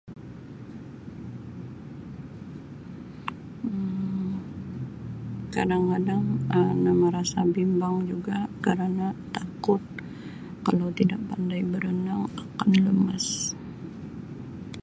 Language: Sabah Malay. Um Kadang-kadang ada merasa bimbang juga kerana takut kalau tidak pandai berenang akan lemas.